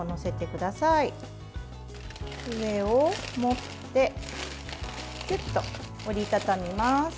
上を持ってきゅっと折り畳みます。